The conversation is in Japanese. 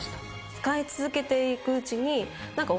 使い続けていくうちに。